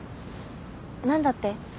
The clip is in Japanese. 何だって？